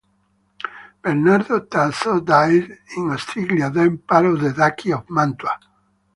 Bernardo Tasso died in Ostiglia, then part of the Duchy of Mantua.